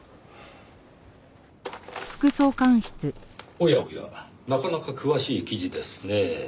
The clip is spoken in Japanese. おやおやなかなか詳しい記事ですねぇ。